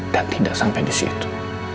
dan tidak sampai disitu